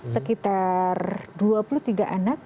sekitar dua puluh tiga anak